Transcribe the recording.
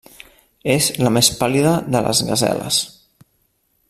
És la més pàl·lida de les gaseles.